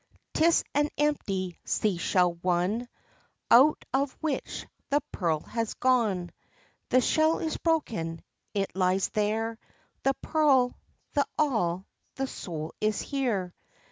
'Tis an empty sea shell—one Out of which the pearl has gone; The shell is broken—it lies there; The pearl, the all, the soul is here.